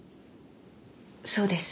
そうです。